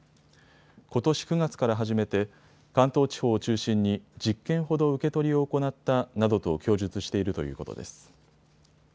ことし９月から始めて関東地方を中心に１０件ほど受け取りを行ったなどと供述しているということです。